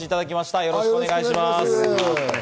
よろしくお願いします。